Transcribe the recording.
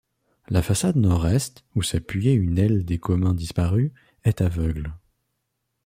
La façade nord-est, où s'appuyait une aile des communs disparus, est aveugle.